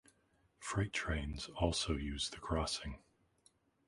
Freight trains also use the crossing.